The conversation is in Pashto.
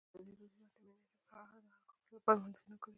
ازادي راډیو د اټومي انرژي په اړه د حل کولو لپاره وړاندیزونه کړي.